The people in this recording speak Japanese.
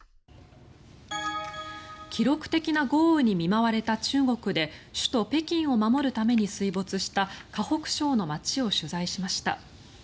記録的な豪雨に見舞われた中国で首都・北京を守るために水没した河北省の街を取材しました。